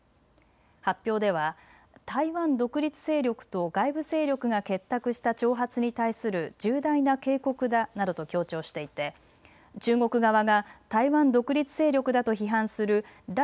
発表では台湾独立勢力と外部勢力が結託した挑発に対する重大な警告だなどと強調していて中国側が台湾独立勢力だと批判する頼